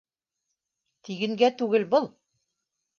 Тигенгә түгел был